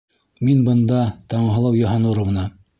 Мин бында, Таңһылыу Йыһаннуровна!